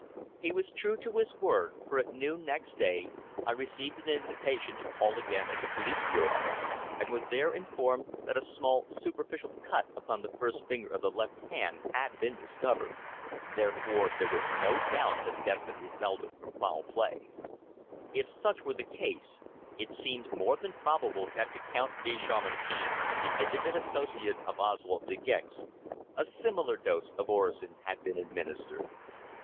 He was true to his word, for at noon next day I received an invitation to call again at the Police Bureau, and was there informed that a small superficial cut upon the first finger of the left hand had been discovered. Therefore there was no doubt that death had resulted from foul play. If such were the case, it seemed more than probable that to Count de Chamartin, the intimate associate of Oswald De Gex, a similar dose of orosin had been administered!